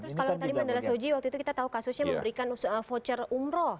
terus kalau tadi mandala soji waktu itu kita tahu kasusnya memberikan voucher umroh